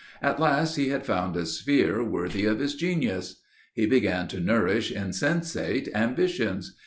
At last he had found a sphere worthy of his genius. He began to nourish insensate ambitions.